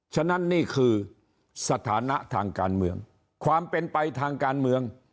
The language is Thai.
ฉะนั้นนี่คือสถานะทางการเมืองความเป็นไปทางการเมือง